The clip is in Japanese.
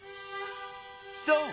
そう！